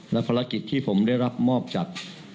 และภารกิจที่ผมได้รับมอบจาก